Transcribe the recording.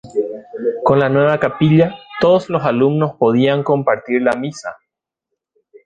Con la nueva capilla, todos los alumnos podían compartir la misa.